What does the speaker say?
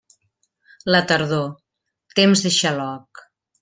La tardor, temps de xaloc.